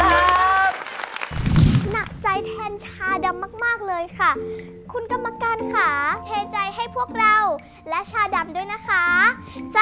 คุณกรรมการค่ะเทใจให้พวกเราและชาดำด้วยนะคะ